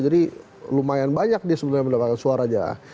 jadi lumayan banyak dia sebenarnya mendapatkan suara aja